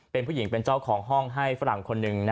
เป็นผู้หญิงเป็นเจ้าของห้องให้ฝรั่งคนหนึ่ง